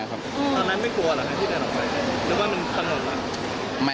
ทางนั้นไม่กลัวเหรอคะ